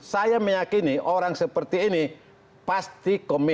saya meyakini orang seperti ini pasti komitmen